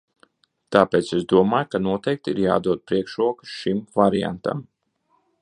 Tāpēc es domāju, ka noteikti ir jādod priekšroka šim variantam.